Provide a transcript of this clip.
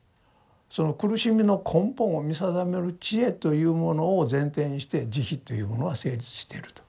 その苦しみの根本を見定める智慧というものを前提にして慈悲というものが成立してると。